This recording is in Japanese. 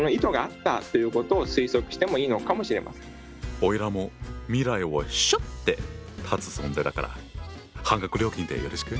おいらも未来をしょって立つ存在だから半額料金でよろしく。